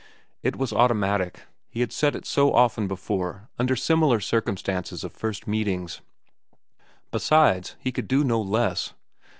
It was automatic; he had said it so often before under similar circumstances of first meetings. Besides, he could do no less.